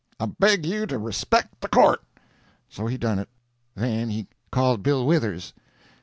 "I beg you to respect the Court." So he done it. Then he called Bill Withers.